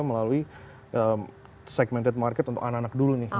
melalui segmented market untuk anak anak dulu nih